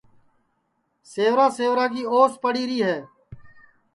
سیورا سیورا کی اوس پڑی ہے